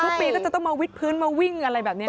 ปีก็จะต้องมาวิดพื้นมาวิ่งอะไรแบบนี้